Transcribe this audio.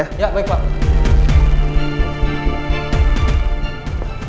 ya baik pak